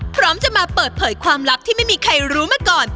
พร้อมจะมาเปิดเผยความลับที่ไม่มีใครรู้มาก่อน